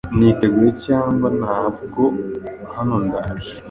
Niteguye cyangwa ntabwo, hano ndaje